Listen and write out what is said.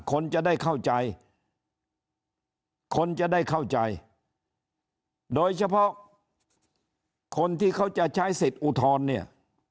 คนจะได้เข้าใจคนจะได้เข้าใจโดยเฉพาะคนที่เขาจะใช้สิทธิ์อุทธรณ์เนี่ย